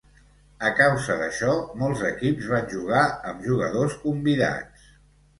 A causa d'això, molts equips van jugar amb jugadors convidats.